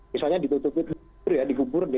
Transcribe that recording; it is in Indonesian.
misalnya ditutupi digubur